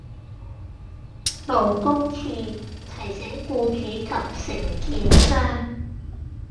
勞工處提醒僱主及承建商